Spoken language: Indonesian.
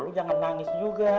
lo jangan nangis juga